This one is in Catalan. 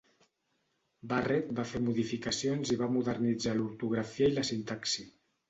Barrett va fer modificacions i va modernitzar l'ortografia i la sintaxi.